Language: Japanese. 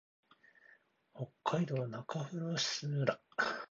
北海道中札内村